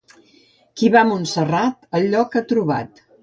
Qui va a Montserrat el lloc ha trobat.